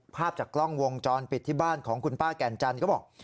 ภาพจากกล้องวงจรปิดที่บ้านของคุณป้าแก่นจันทร์ก็บอก